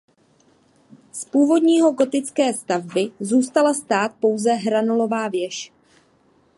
Z původní gotické stavby zůstala stát pouze hranolová věž.